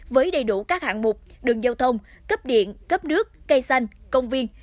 với đầy đủ các hạng mục đường giao thông cấp điện cấp nước cây xanh công viên